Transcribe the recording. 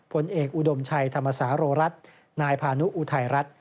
ผลเอกอุดมชัยธรรมศาโรรัฐนายพานุอุทัยรัฐ